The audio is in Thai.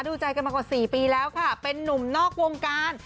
ดูใจกันมากว่า๔ปีแล้วค่ะเป็นนุ่มนอกวงการ